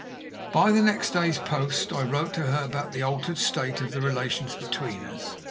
By the next day's post I wrote to her about the altered state of the relations between us.